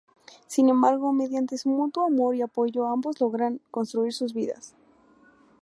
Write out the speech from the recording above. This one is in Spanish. Sin embargo, mediante su mutuo amor y apoyo ambos logran reconstruir sus vidas.